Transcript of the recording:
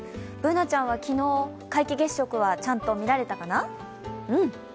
Ｂｏｏｎａちゃんは昨日、皆既月食はちゃんと見られたかな？